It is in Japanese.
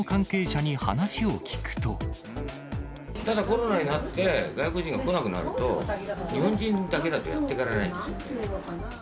コロナになって、外国人が来なくなると、日本人だけだとやっていかれないんですよ。